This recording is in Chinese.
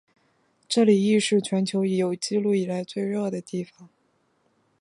这里亦是全球有纪录以来最热的地方。